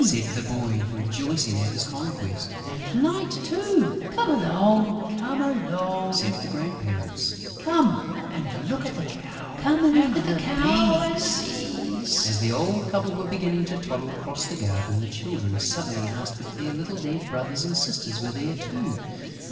said the boy, rejoicing at his conquest. "And Light too!" "Come along," said the grandparents. "Come and look at the cow and the bees." As the old couple were beginning to toddle across the garden, the children suddenly asked if their little dead brothers and sisters were there too.